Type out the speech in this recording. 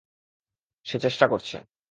সে চেষ্টা করছে।